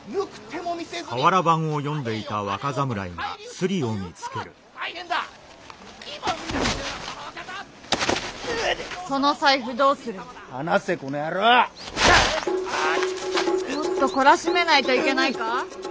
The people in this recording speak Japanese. もっと懲らしめないといけないか？